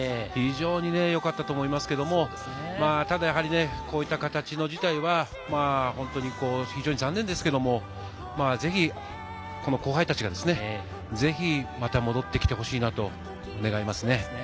非常によかったと思いますけれど、ただやはりこういった形の辞退は非常に残念ですけれど、ぜひ後輩たちが、また戻ってきてほしいなと願います。